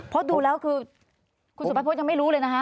พอดูแล้วคือคุณสุบัติโพธยังไม่รู้เลยนะฮะ